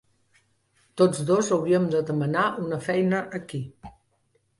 Tots dos hauríem de demanar una feina aquí.